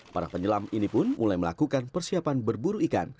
para penyelam ini pun mulai melakukan persiapan berburu ikan